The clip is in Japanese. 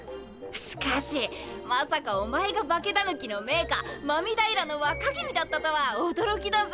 しかしまさかおまえが化け狸の名家狸平の若君だったとは驚きだぜ。